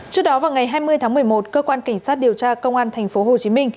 trước đó vào ngày hai mươi tháng một mươi một cơ quan cảnh sát điều tra công an tp hcm